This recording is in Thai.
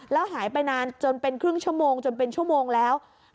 แล้วหายไปนานจนเป็นครึ่งชั่วโมงจนเป็นชั่วโมงแล้ว